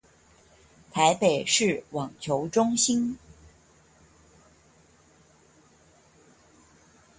臺北市網球中心